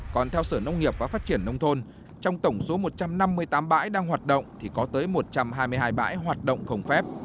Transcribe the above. còn theo sở nông nghiệp và phát triển nông thôn trong tổng số một trăm năm mươi tám bãi đang hoạt động thì có tới một trăm hai mươi hai bãi hoạt động không phép